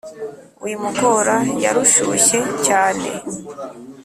wimugora yarushushye cyane